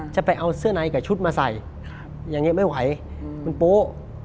จะเอาเสื้อในกับชุดมาใส่อย่างนี้ไม่ไหวคุณปู